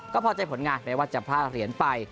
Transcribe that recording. ก็พอใจผลงานแม้ว่าจะพลาดเหรียญไป